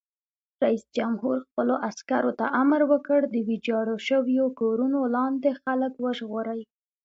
رئیس جمهور خپلو عسکرو ته امر وکړ؛ د ویجاړو شویو کورونو لاندې خلک وژغورئ!